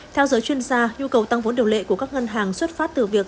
theo giới chuyên gia nhu cầu tăng vốn điều lệ của các ngân hàng xuất phát từ việc